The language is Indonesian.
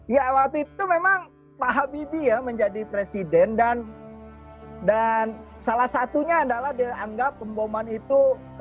ya waktu itu memang pak habibie ya menjadi presiden dan salah satunya adalah dianggap pemboman itu